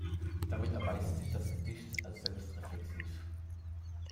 Damit erweist sich das Gedicht als selbst-reflexiv.